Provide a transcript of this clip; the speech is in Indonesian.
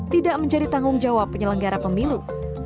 tidak menjadi tanggung jawab penyelenggara pemilu